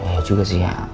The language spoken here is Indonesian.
ya juga sih ya